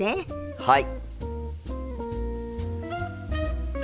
はい！